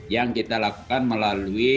yang kita lakukan melalui